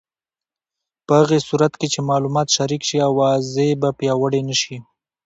په هغه صورت کې چې معلومات شریک شي، اوازې به پیاوړې نه شي.